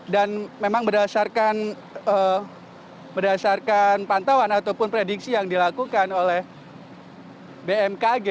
dan memang berdasarkan pantauan ataupun prediksi yang dilakukan oleh bmkg